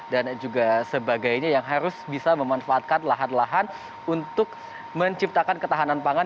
juga sebagainya yang harus bisa memanfaatkan lahan lahan untuk menciptakan ketahanan pangan